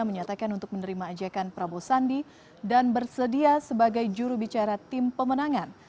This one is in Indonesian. menyatakan untuk menerima ajakan prabowo sandi dan bersedia sebagai jurubicara tim pemenangan